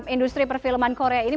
industri perfilman korea ini